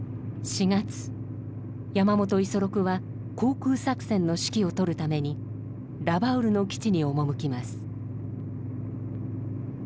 ４月山本五十六は航空作戦の指揮を執るためにラバウルの基地に赴きます。